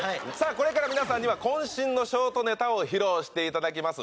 これから皆さんにはこん身のショートネタを披露していただきます